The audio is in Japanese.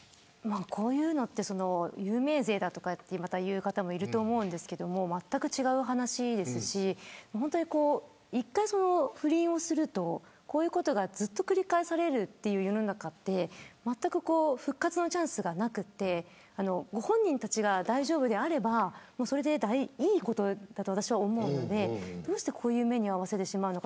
こういうのは有名税だという方もいると思いますがまったく違う話ですし一回不倫をするとこういうことがずっと繰り返されるという世の中ってまったく復活のチャンスがなくてご本人たちが大丈夫であればそれでいいことだと私は思うのでどうしてこういう目に遭わせてしまうのか。